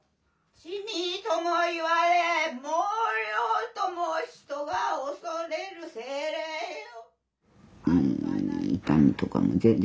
「魑魅とも言われ魍魎とも人が恐れる精霊よ」。